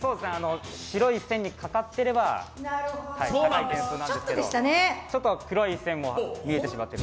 白い線にかかってれば高い点数なんですけどちょっと黒い線が見えてしまってる。